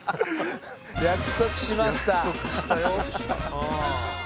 約束しました。